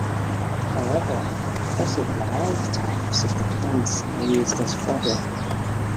However, also wild types of the plants are used as fodder.